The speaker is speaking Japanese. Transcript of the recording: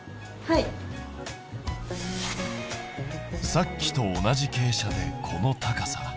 さっきと同じ傾斜でこの高さだ。